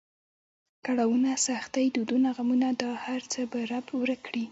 کړاونه، سختۍ، دردونه، غمونه دا هر څه به رب ورک کړي.